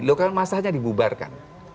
lokal masalahnya dibubarkan